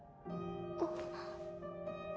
あっ。